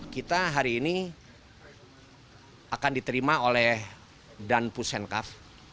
kita hari ini akan diterima oleh dan pusenkaf